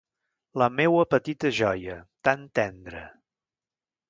La meua petita joia, tan tendra.